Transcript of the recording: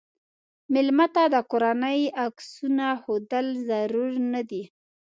مېلمه ته د کورنۍ عکسونه ښودل ضرور نه دي.